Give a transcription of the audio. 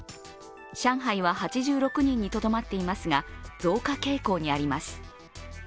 上海は８６人にとどまっていますが、増加傾向にあります。